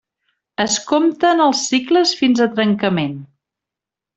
Es compten els cicles fins a trencament.